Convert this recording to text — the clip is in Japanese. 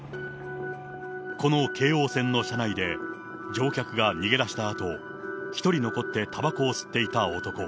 この京王線の車内で、乗客が逃げ出したあと、１人残ってたばこを吸っていた男。